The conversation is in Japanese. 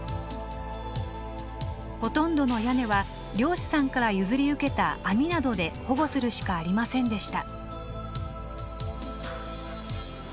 ほとんどの屋根は漁師さんから譲り受けた網などで保護するしかありませんでした。